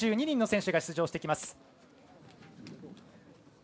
３２人の選手が出場してきます。